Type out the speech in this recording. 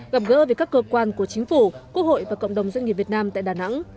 gặp gỡ về các cơ quan của chính phủ quốc hội và cộng đồng doanh nghiệp việt nam tại đà nẵng